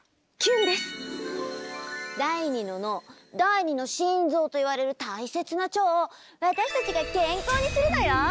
第２の脳第２の心臓といわれる大切な腸を私たちが健康にするのよ！